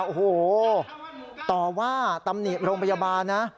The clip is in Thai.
โอ้โหต่อว่าตำหนิโรงพยาบาลนะ